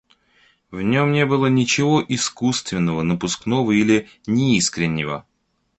В нем не было ничего искусственного, напускного или неискреннего.